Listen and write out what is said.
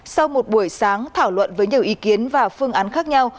sau một buổi sáng thảo luận với nhiều ý kiến và phương án khác nhau